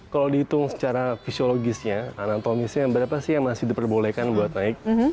kalau dihitung secara fisiologisnya anatomisnya berapa sih yang masih diperbolehkan buat naik